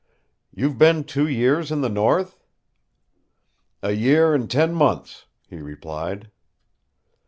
"You've been two years in the north?" "A year and ten months," he replied.